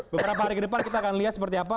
beberapa hari ke depan kita akan lihat seperti apa